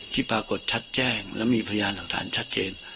ปรากฏชัดแจ้งแล้วมีพยานหลักฐานชัดเจน